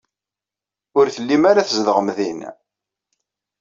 Ur tellim ara tzedɣem din.